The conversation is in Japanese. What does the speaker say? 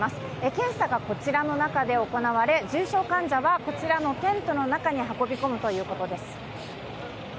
検査がこちらの中で行われ重症患者はこちらのテントの中に運び込むということです。